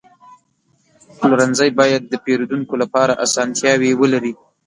پلورنځی باید د پیرودونکو لپاره اسانتیاوې ولري.